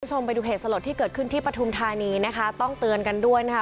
คุณผู้ชมไปดูเหตุสลดที่เกิดขึ้นที่ปฐุมธานีนะคะต้องเตือนกันด้วยนะคะ